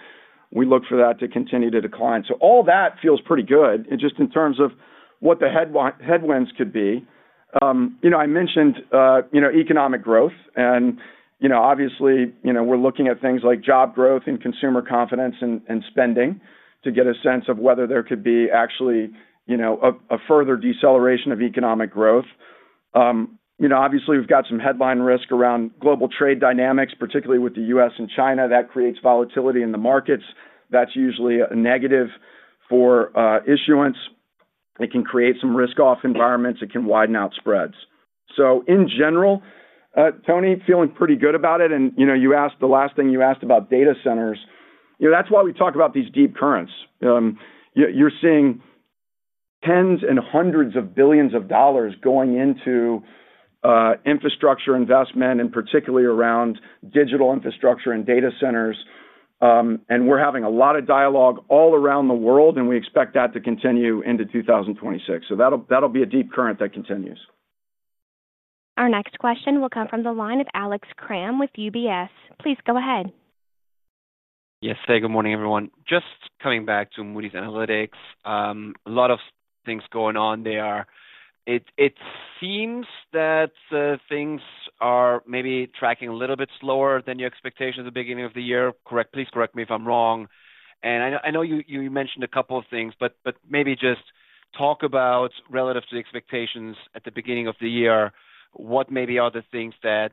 Speaker 3: we look for that to continue to decline. All that feels pretty good just in terms of what the headwinds could be. I mentioned economic growth. Obviously, we're looking at things like job growth and consumer confidence and spending to get a sense of whether there could be actually a further deceleration of economic growth. Obviously, we've got some headline risk around global trade dynamics, particularly with the U.S. and China. That creates volatility in the markets. That's usually a negative for issuance. It can create some risk-off environments. It can widen out spreads. In general, Toni, feeling pretty good about it. You asked the last thing you asked about data centers. That's why we talk about these Deep Currents. You're seeing tens and hundreds of billions of dollars going into infrastructure investment, and particularly around digital infrastructure and data centers. We're having a lot of dialogue all around the world, and we expect that to continue into 2026. That'll be a deep current that continues.
Speaker 1: Our next question will come from the line of Alex Kramm with UBS. Please go ahead.
Speaker 10: Yes. Good morning, everyone. Just coming back to Moody's Analytics. A lot of things going on there. It seems that things are maybe tracking a little bit slower than your expectations at the beginning of the year. Please correct me if I'm wrong. I know you mentioned a couple of things, but maybe just talk about relative to the expectations at the beginning of the year, what maybe are the things that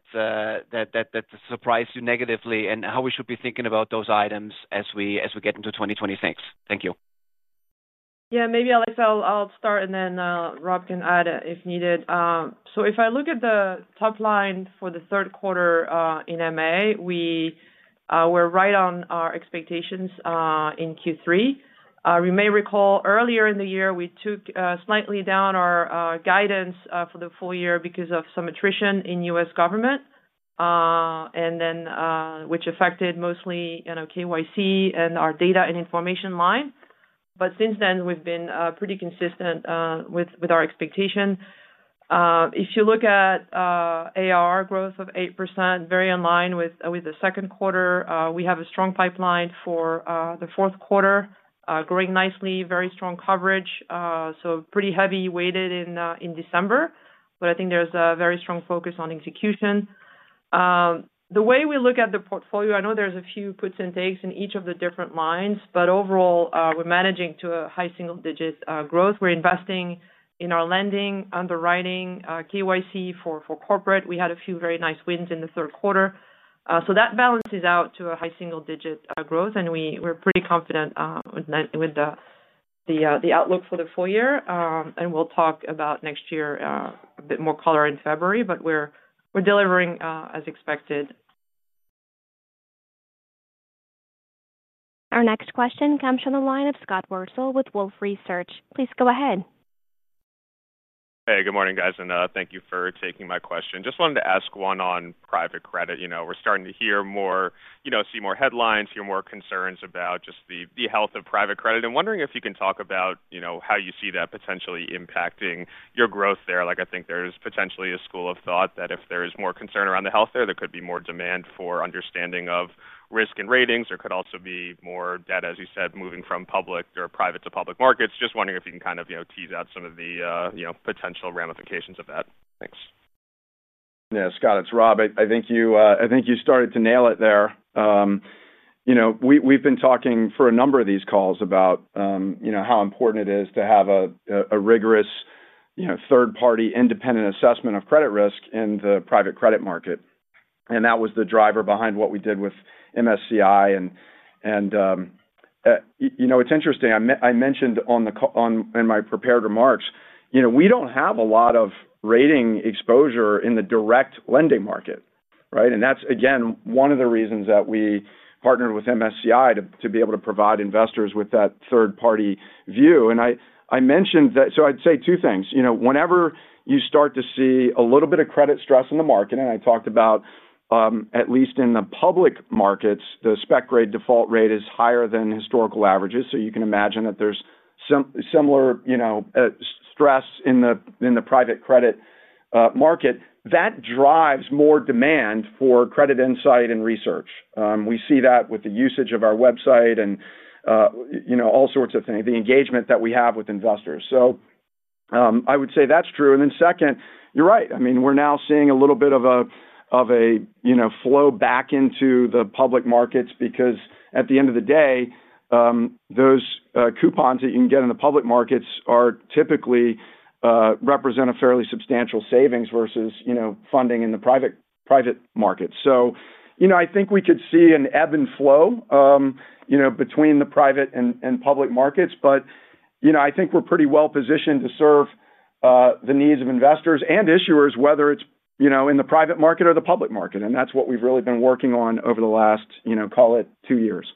Speaker 10: surprised you negatively and how we should be thinking about those items as we get into 2026. Thank you.
Speaker 4: Yeah. Maybe, Alex, I'll start, and then Rob can add if needed. If I look at the top line for the third quarter in MA, we were right on our expectations in Q3. You may recall earlier in the year, we took slightly down our guidance for the full year because of some attrition in U.S. government, which affected mostly KYC solutions and our Data and Information line. Since then, we've been pretty consistent with our expectation. If you look at ARR growth of 8%, very in line with the second quarter. We have a strong pipeline for the fourth quarter, growing nicely, very strong coverage. Pretty heavy weighted in December. I think there's a very strong focus on execution. The way we look at the portfolio, I know there's a few puts and takes in each of the different lines, but overall, we're managing to a high single-digit growth. We're investing in our lending, underwriting, KYC for corporate. We had a few very nice wins in the third quarter. That balances out to a high single-digit growth. We're pretty confident with the outlook for the full year. We'll talk about next year with a bit more color in February, but we're delivering as expected.
Speaker 1: Our next question comes from the line of Scott Wurtzel with Wolfe Research. Please go ahead.
Speaker 11: Hey, good morning, guys. Thank you for taking my question. Just wanted to ask one on private credit. We're starting to hear more, see more headlines, hear more concerns about just the health of private credit. Wondering if you can talk about how you see that potentially impacting your growth there. I think there's potentially a school of thought that if there is more concern around the health there, there could be more demand for understanding of risk and ratings. There could also be more data, as you said, moving from private to public markets. Just wondering if you can kind of tease out some of the potential ramifications of that. Thanks.
Speaker 3: Yeah, Scott, it's Rob. I think you started to nail it there. We've been talking for a number of these calls about how important it is to have a rigorous third-party independent assessment of credit risk in the private credit market. That was the driver behind what we did with MSCI. It's interesting. I mentioned in my prepared remarks, we don't have a lot of rating exposure in the direct lending market. That's, again, one of the reasons that we partnered with MSCI to be able to provide investors with that third-party view. I mentioned that. I'd say two things. Whenever you start to see a little bit of credit stress in the market, I talked about at least in the public markets, the spec-grade default rate is higher than historical averages. You can imagine that there's similar stress in the private credit market. That drives more demand for credit insight and research. We see that with the usage of our website and all sorts of things, the engagement that we have with investors. I would say that's true. You're right. We're now seeing a little bit of a flow back into the public markets because at the end of the day, those coupons that you can get in the public markets typically represent a fairly substantial savings versus funding in the private markets. I think we could see an ebb and flow between the private and public markets. I think we're pretty well positioned to serve the needs of investors and issuers, whether it's in the private market or the public market. That's what we've really been working on over the last, call it, two years.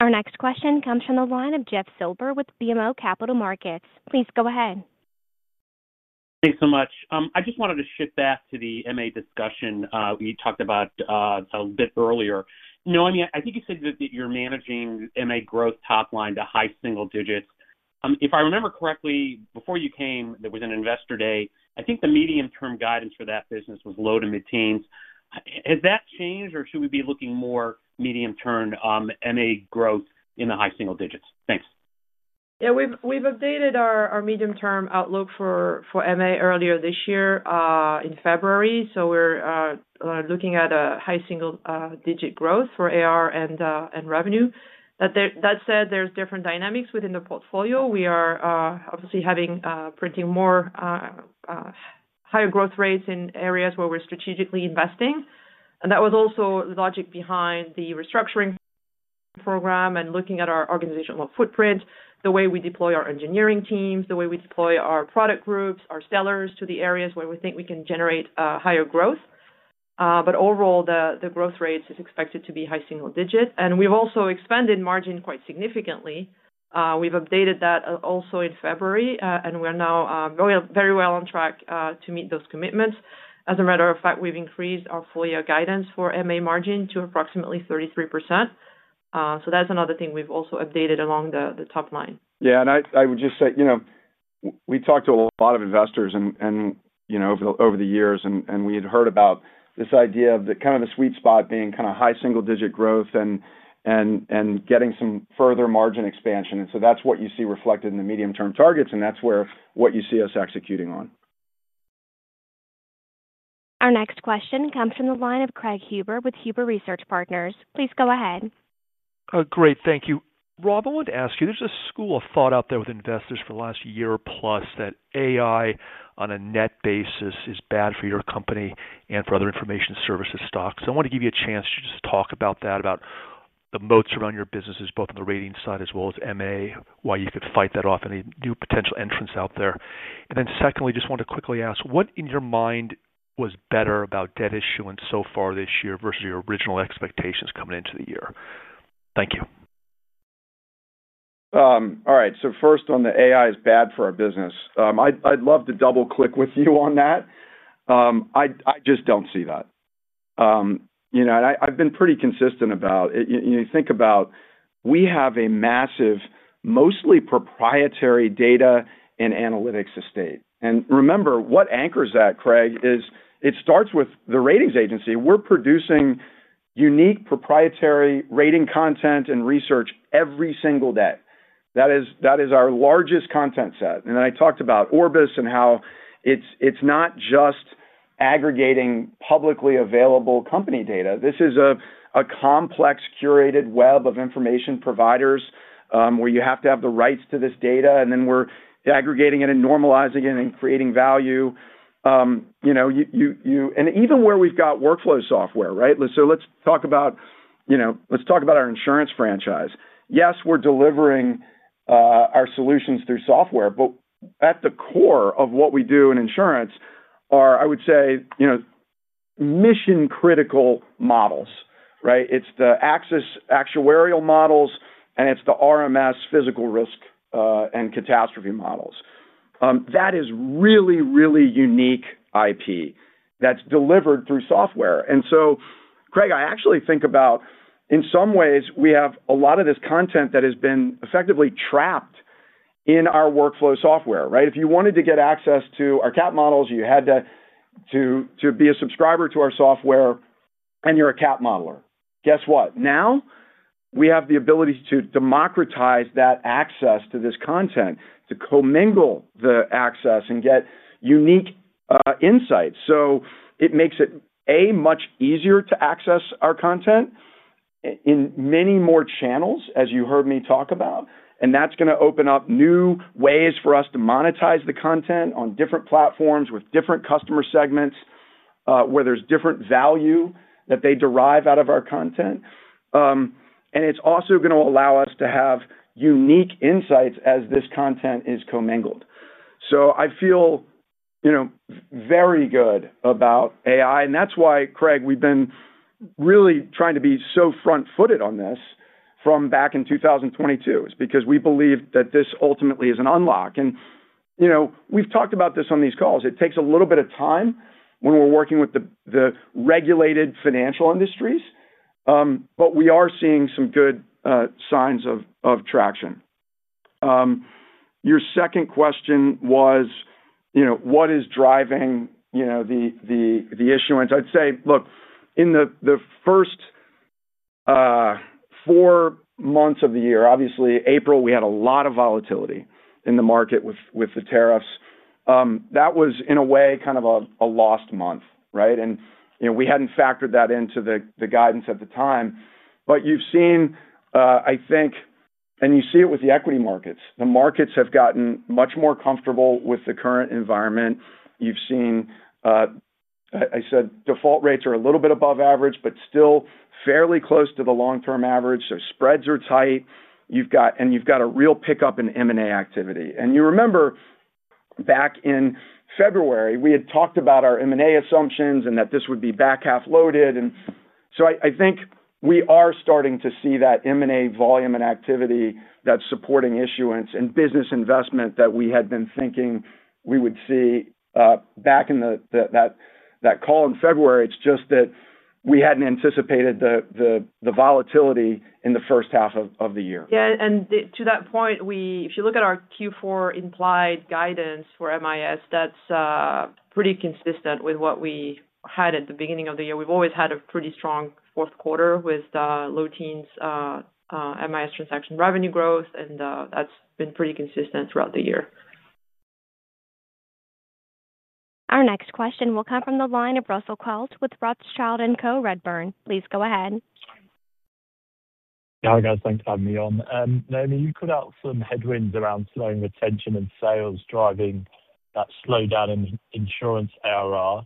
Speaker 1: Our next question comes from the line of Jeff Silber with BMO Capital Markets. Please go ahead.
Speaker 12: Thanks so much. I just wanted to shift back to the MA discussion we talked about a bit earlier. Noémie, I think you said that you're managing MA growth top line to high single digits. If I remember correctly, before you came, there was an investor day. I think the medium-term guidance for that business was low to mid-teens. Has that changed, or should we be looking more medium-term MA growth in the high single digits? Thanks.
Speaker 4: Yeah, we've updated our medium-term outlook for MA earlier this year in February. We're looking at a high single-digit growth for ARR and revenue. That said, there's different dynamics within the portfolio. We are obviously printing more higher growth rates in areas where we're strategically investing. That was also the logic behind the restructuring program and looking at our organizational footprint, the way we deploy our engineering teams, the way we deploy our product groups, our sellers to the areas where we think we can generate higher growth. Overall, the growth rate is expected to be high single digit. We've also expanded margin quite significantly. We've updated that also in February. We're now very well on track to meet those commitments. As a matter of fact, we've increased our full-year guidance for MA margin to approximately 33%. That's another thing we've also updated along the top line. I would just say, you know, we talked to a lot of investors over the years, and we had heard about this idea of kind of the sweet spot being kind of high single-digit growth and getting some further margin expansion. That's what you see reflected in the medium-term targets, and that's what you see us executing on.
Speaker 1: Our next question comes from the line of Craig Huber with Huber Research Partners. Please go ahead.
Speaker 13: Great. Thank you. Rob, I wanted to ask you, there's a school of thought out there with investors for the last year plus that AI on a net basis is bad for your company and for other information services stocks. I wanted to give you a chance to just talk about that, about the moats around your businesses, both on the rating side as well as MA, why you could fight that off, any new potential entrants out there. Secondly, I just wanted to quickly ask, what in your mind was better about debt issuance so far this year versus your original expectations coming into the year? Thank you.
Speaker 3: All right. First, on the AI is bad for our business, I'd love to double-click with you on that. I just don't see that, and I've been pretty consistent about it. You think about we have a massive, mostly proprietary data and analytics estate. Remember, what anchors that, Craig, is it starts with the ratings agency. We're producing unique proprietary rating content and research every single day. That is our largest content set. I talked about Orbis and how it's not just aggregating publicly available company data. This is a complex curated web of information providers where you have to have the rights to this data. We're aggregating it and normalizing it and creating value. Even where we've got workflow software, right? Let's talk about our insurance franchise. Yes, we're delivering our solutions through software. At the core of what we do in insurance are, I would say, mission-critical models, right? It's the access actuarial models, and it's the RMS physical risk and catastrophe models. That is really, really unique IP that's delivered through software. Craig, I actually think about, in some ways, we have a lot of this content that has been effectively trapped in our workflow software, right? If you wanted to get access to our cat models, you had to be a subscriber to our software, and you're a cat modeler. Guess what? Now we have the ability to democratize that access to this content, to commingle the access and get unique insights. It makes it a much easier to access our content in many more channels, as you heard me talk about. That's going to open up new ways for us to monetize the content on different platforms with different customer segments where there's different value that they derive out of our content. It's also going to allow us to have unique insights as this content is commingled. I feel very good about AI. That's why, Craig, we've been really trying to be so front-footed on this from back in 2022. It's because we believe that this ultimately is an unlock. We've talked about this on these calls. It takes a little bit of time when we're working with the regulated financial industries, but we are seeing some good signs of traction. Your second question was, what is driving the issuance? I'd say, look, in the first four months of the year, obviously, April, we had a lot of volatility in the market with the tariffs. That was, in a way, kind of a lost month, right? We hadn't factored that into the guidance at the time. You see it with the equity markets. The markets have gotten much more comfortable with the current environment. I said default rates are a little bit above average, but still fairly close to the long-term average. Spreads are tight, and you've got a real pickup in M&A activity. You remember back in February, we had talked about our M&A assumptions and that this would be back half loaded. I think we are starting to see that M&A volume and activity that's supporting issuance and business investment that we had been thinking we would see back in that call in February. It's just that we hadn't anticipated the volatility in the first half of the year.
Speaker 4: Yeah. To that point, if you look at our Q4 implied guidance for MIS, that's pretty consistent with what we had at the beginning of the year. We've always had a pretty strong fourth quarter with low-teens MIS transaction revenue growth, and that's been pretty consistent throughout the year.
Speaker 1: Our next question will come from the line of Russell Quelch with Redburn Atlantic. Please go ahead.
Speaker 14: Hi, guys. Thanks for having me on. Noémie, you put out some headwinds around slowing retention and sales driving that slowdown in insurance ARR.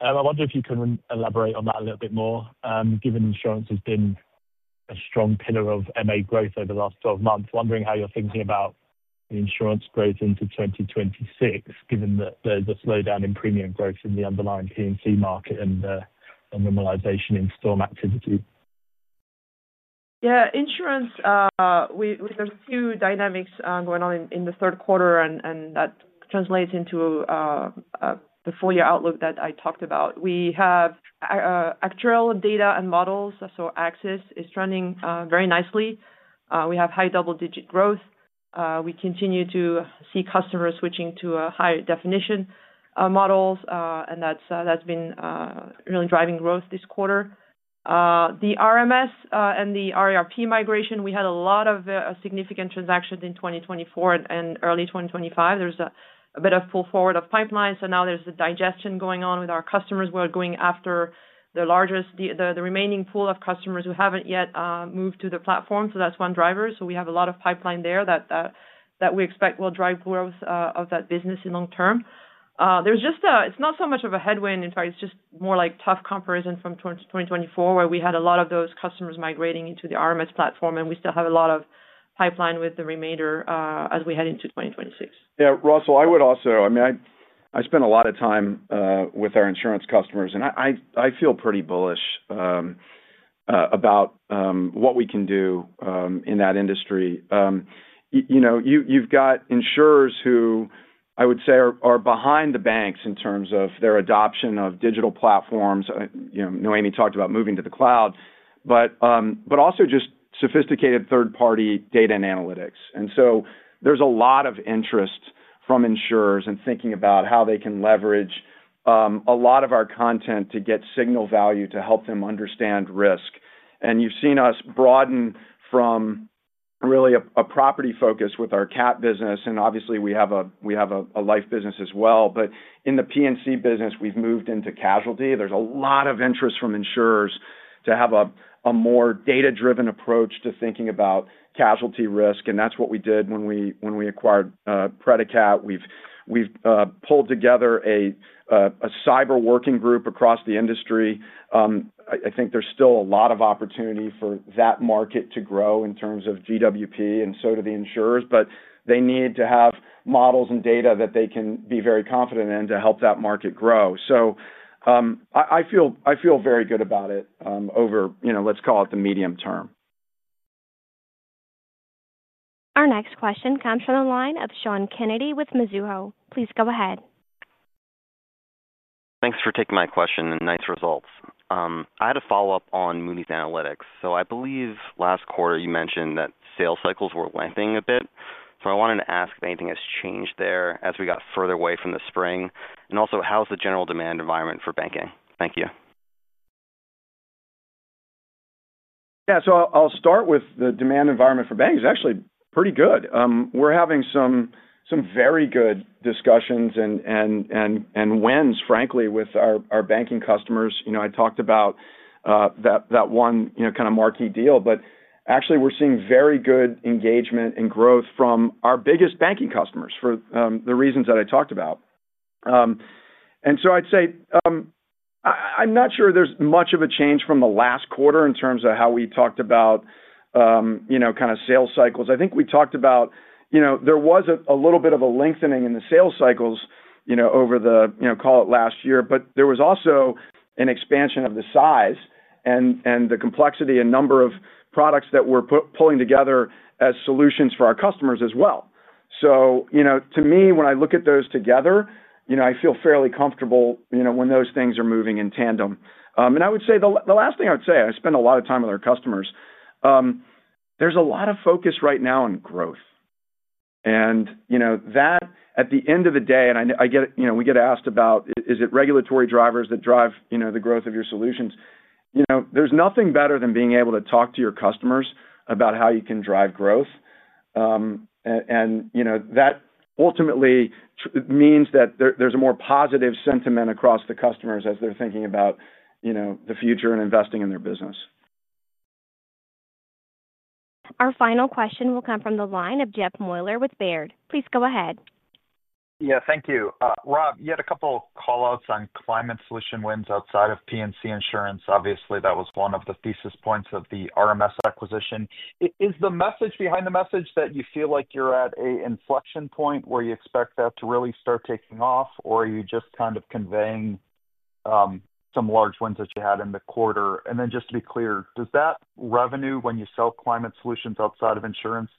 Speaker 14: I wonder if you can elaborate on that a little bit more, given insurance has been a strong pillar of MA growth over the last 12 months. Wondering how you're thinking about the insurance growth into 2026, given that there's a slowdown in premium growth in the underlying P&C market and the normalization in storm activity.
Speaker 4: Insurance, there's two dynamics going on in the third quarter, and that translates into the full-year outlook that I talked about. We have actuarial data and models. Access is trending very nicely. We have high double-digit growth. We continue to see customers switching to higher definition models, and that's been really driving growth this quarter. The RMS and the RERP migration, we had a lot of significant transactions in 2024 and early 2025. There's a bit of pull forward of pipelines. Now there's a digestion going on with our customers. We're going after the remaining pool of customers who haven't yet moved to the platform. That's one driver. We have a lot of pipeline there that we expect will drive growth of that business in the long term. It's not so much of a headwind. In fact, it's just more like tough comparison from 2024, where we had a lot of those customers migrating into the RMS platform, and we still have a lot of pipeline with the remainder as we head into 2026.
Speaker 3: Yeah. Russell, I would also, I mean, I spend a lot of time with our insurance customers, and I feel pretty bullish about what we can do in that industry. You've got insurers who I would say are behind the banks in terms of their adoption of digital platforms. Noémie talked about moving to the cloud, but also just sophisticated third-party data and analytics. There is a lot of interest from insurers in thinking about how they can leverage a lot of our content to get signal value to help them understand risk. You've seen us broaden from really a property focus with our cat business. Obviously, we have a life business as well. In the P&C business, we've moved into casualty. There is a lot of interest from insurers to have a more data-driven approach to thinking about casualty risk. That's what we did when we acquired Predikt. We've pulled together a cyber working group across the industry. I think there's still a lot of opportunity for that market to grow in terms of GWP, and so do the insurers. They need to have models and data that they can be very confident in to help that market grow. I feel very good about it over, let's call it, the medium term.
Speaker 1: Our next question comes from the line of Sean Kennedy with Mizuho. Please go ahead.
Speaker 15: Thanks for taking my question and nice results. I had a follow-up on Moody's Analytics. I believe last quarter you mentioned that sales cycles were lengthening a bit. I wanted to ask if anything has changed there as we got further away from the spring. Also, how is the general demand environment for banking? Thank you.
Speaker 3: Yeah. I'll start with the demand environment for banking is actually pretty good. We're having some very good discussions and wins, frankly, with our banking customers. I talked about that one kind of marquee deal. We're seeing very good engagement and growth from our biggest banking customers for the reasons that I talked about. I'd say I'm not sure there's much of a change from the last quarter in terms of how we talked about sales cycles. I think we talked about there was a little bit of a lengthening in the sales cycles over the last year. There was also an expansion of the size and the complexity and number of products that we're pulling together as solutions for our customers as well. To me, when I look at those together, I feel fairly comfortable when those things are moving in tandem. The last thing I would say, I spend a lot of time with our customers, there's a lot of focus right now on growth. At the end of the day, we get asked about, is it regulatory drivers that drive the growth of your solutions? There's nothing better than being able to talk to your customers about how you can drive growth. That ultimately means that there's a more positive sentiment across the customers as they're thinking about the future and investing in their business.
Speaker 1: Our final question will come from the line of Jeff Meuler with Baird. Please go ahead.
Speaker 16: Thank you. Rob, you had a couple of callouts on climate solution wins outside of P&C insurance. Obviously, that was one of the thesis points of the RMS acquisition. Is the message behind the message that you feel like you're at an inflection point where you expect that to really start taking off, or are you just kind of conveying some large wins that you had in the quarter? Just to be clear, does that revenue, when you sell climate solutions outside of insurance,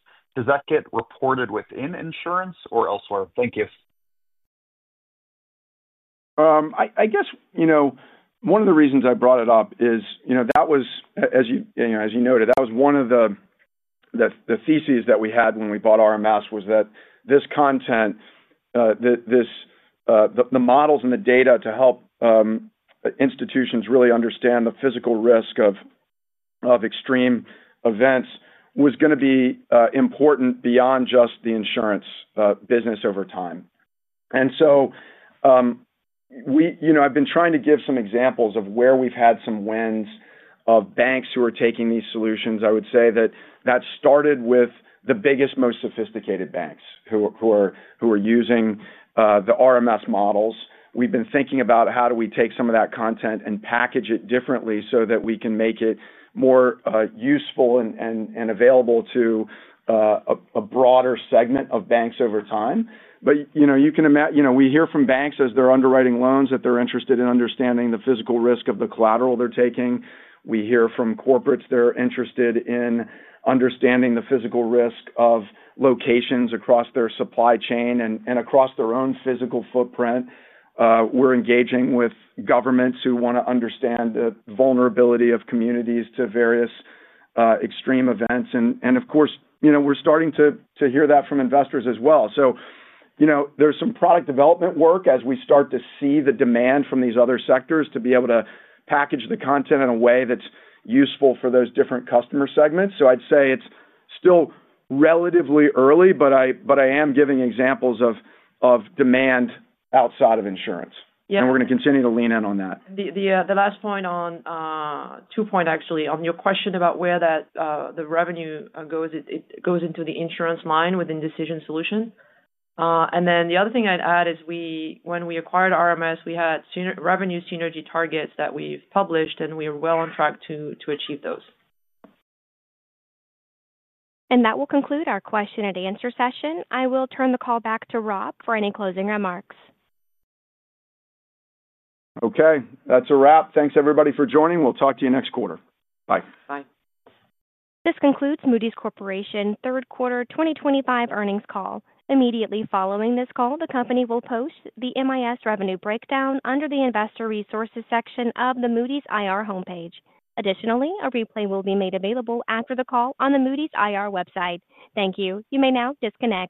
Speaker 16: get reported within insurance or elsewhere? Thank you.
Speaker 3: I guess, you know, one of the reasons I brought it up is, you know, that was, as you noted, that was one of the theses that we had when we bought RMS, was that this content, the models and the data to help institutions really understand the physical risk of extreme events was going to be important beyond just the insurance business over time. I've been trying to give some examples of where we've had some wins of banks who are taking these solutions. I would say that that started with the biggest, most sophisticated banks who are using the RMS models. We've been thinking about how do we take some of that content and package it differently so that we can make it more useful and available to a broader segment of banks over time. You can imagine, we hear from banks as they're underwriting loans that they're interested in understanding the physical risk of the collateral they're taking. We hear from corporates they're interested in understanding the physical risk of locations across their supply chain and across their own physical footprint. We're engaging with governments who want to understand the vulnerability of communities to various extreme events. Of course, we're starting to hear that from investors as well. There's some product development work as we start to see the demand from these other sectors to be able to package the content in a way that's useful for those different customer segments. I'd say it's still relatively early, but I am giving examples of demand outside of insurance. We're going to continue to lean in on that.
Speaker 4: The last point, on two points actually, on your question about where the revenue goes, it goes into the Insurance Solutions line within Decision Solutions. The other thing I'd add is when we acquired RMS, we had revenue synergy targets that we've published, and we are well on track to achieve those.
Speaker 1: That will conclude our question and answer session. I will turn the call back to Rob for any closing remarks.
Speaker 3: Okay. That's a wrap. Thanks, everybody, for joining. We'll talk to you next quarter. Bye. Bye.
Speaker 1: This concludes Moody's Corporation third quarter 2025 earnings call. Immediately following this call, the company will post the MIS revenue breakdown under the Investor Resources section of the Moody's IR homepage. Additionally, a replay will be made available after the call on the Moody's IR website. Thank you. You may now disconnect.